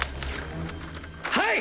はい。